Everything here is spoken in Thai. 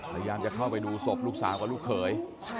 พยายามจะเข้าไปดูศพลูกสาวกับลูกเขย